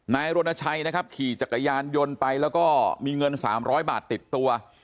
นายรณชัยนะครับขี่จักรยานยนต์ไปแล้วก็มีเงิน๓๐๐บาทติดตัว